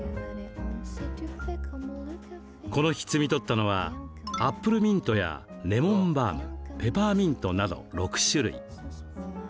この日、摘み取ったのはアップルミントやレモンバームペパーミントなど６種類。